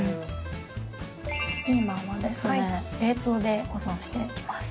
ピーマンはですね冷凍で保存していきます。